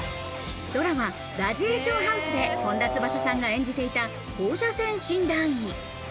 ドラマ『ラジエーションハウス』で本田翼さんが演じていた放射線診断医。